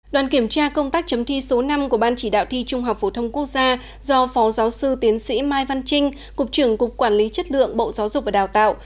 đoàn kiểm tra công tác chấm thi số năm của ban chỉ đạo thi trung học phổ thông quốc gia do phó giáo sư tiến sĩ mai văn trinh cục trưởng cục quản lý chất lượng bộ giáo dục và đào tạo